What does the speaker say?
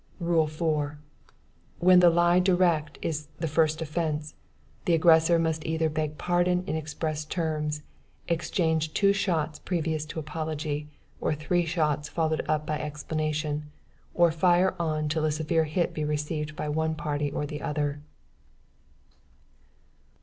"Rule 4. When the lie direct is the first offence, the aggressor must either beg pardon in express terms; exchange tow shots previous to apology; or three shots followed up by explanation; or fire on till a severe hit be received by one party or the other.